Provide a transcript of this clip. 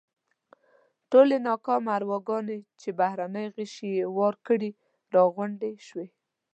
ټولې ناکامه ارواګانې چې بهرني غشي یې وار کړي راغونډې شوې.